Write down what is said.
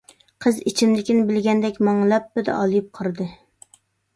قىز ئىچىمدىكىنى بىلگەندەك ماڭا لەپپىدە ئالىيىپ قارىدى.